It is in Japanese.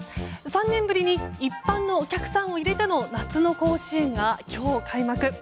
３年ぶりに一般のお客さんを入れての夏の甲子園が今日、開幕。